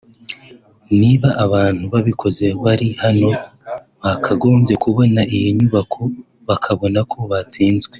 niba abantu babikoze bari hano bakagombye kubona iyi nyubako bakabona ko batsinzwe